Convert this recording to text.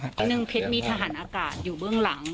อีกหนึ่งเพชรมีทหารอากาศอยู่เบื้องหลัง